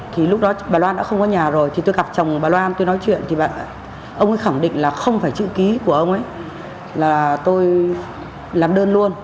thì lúc đó bà loan đã không có nhà rồi thì tôi gặp chồng bà loan tôi nói chuyện thì bà ông ấy khẳng định là không phải chữ ký của ông ấy là tôi làm đơn luôn